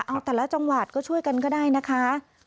เอาแต่ละจังหวัดก็ช่วยกันก็ได้นะคะ